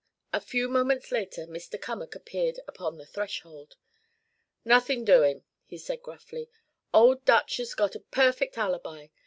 A few moments later Mr. Cummack appeared upon the threshold. "Nothin' doin'," he said gruffly. "Old Dutch's got a perfect alibi.